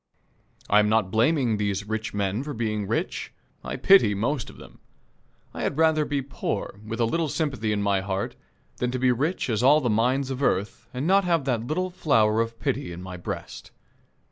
I am not blaming these rich men for being rich. I pity the most of them. I had rather be poor, with a little sympathy in my heart, than to be rich as all the mines of earth and not have that little flower of pity in my breast.